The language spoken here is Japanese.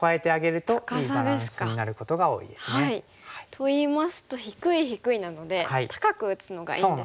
といいますと低い低いなので高く打つのがいいんですね。